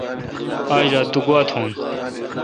آج رات تو گوا تھون۔